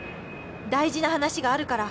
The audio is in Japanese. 「大事な話があるから」